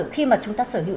khi mà chúng ta sở hữu